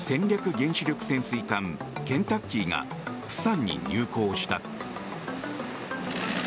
原子力潜水艦「ケンタッキー」が釜山に入港した。